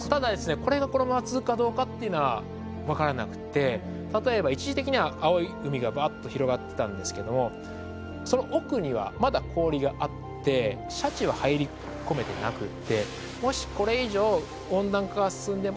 これがこのまま続くかどうかっていうのは分からなくて例えば一時的には青い海がばっと広がってたんですけどその奥にはまだ氷があってシャチは入り込めてなくって。